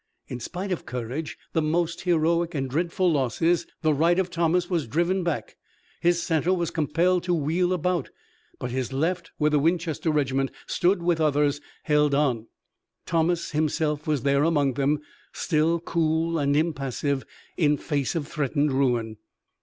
In spite of courage the most heroic, and dreadful losses, the right of Thomas was driven back, his center was compelled to wheel about, but his left where the Winchester regiment stood with others held on. Thomas himself was there among them, still cool and impassive in face of threatened ruin.